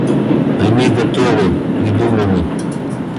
Они готовы, придуманы.